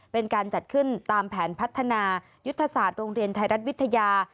เป็นการจัดขึ้นตามแผนพัฒนายุทธศาสตร์โรงเรียนไทยรัฐวิทยา